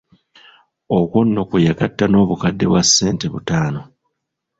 Okwo nno kwe yagatta n'obukadde bwa ssente butaano.